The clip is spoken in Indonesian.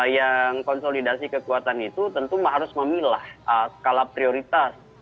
yang konsolidasi kekuatan itu tentu harus memilah skala prioritas